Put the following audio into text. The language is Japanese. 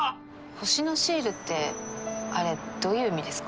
星のシールってあれどういう意味ですか？